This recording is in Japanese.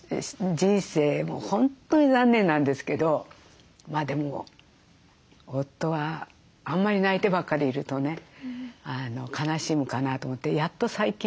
もう本当に残念なんですけどでも夫はあんまり泣いてばっかりいるとね悲しむかなと思ってやっと最近。